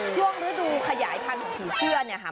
ช่วงฤดูขยายพันธุ์ของผีเสื้อเนี่ยค่ะ